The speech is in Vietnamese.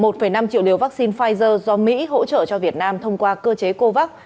một năm triệu liều vaccine pfizer do mỹ hỗ trợ cho việt nam thông qua cơ chế covax